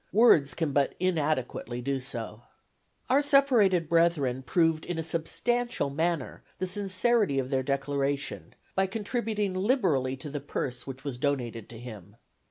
Words can but inadequately do so. "Our separated brethren proved in a substantial manner the sincerity of their declaration by contributing liberally to the purse which was donated to him.